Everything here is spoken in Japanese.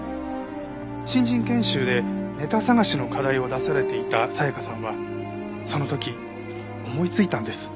新人研修でネタ探しの課題を出されていた紗香さんはその時思いついたんです。